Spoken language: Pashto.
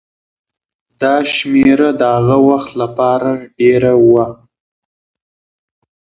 دا شمېره د هغه وخت لپاره ډېره وه.